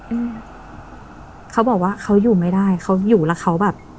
อืมเขาบอกว่าเขาอยู่ไม่ได้เขาอยู่แล้วเขาแบบ